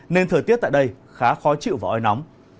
nên thời tiết tại đây khá khó chịu và oi nóng